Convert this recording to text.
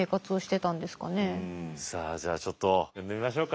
うんさあじゃあちょっと呼んでみましょうか。